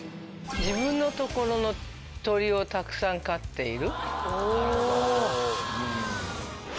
自分の所の鶏をたくさん飼っている？